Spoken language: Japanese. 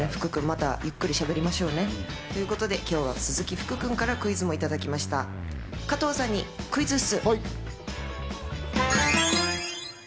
恥ずかしがらなくても、福君、またゆっくりしゃべりましょうね。ということで今日は鈴木福君からクイズもいただきました、加藤さんにクイズッス！